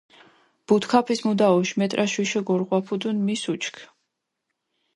ბუთქაფის მუდა ოშ მეტრაშ ვიშო გოურღვაფუდუნ, მის უჩქჷ.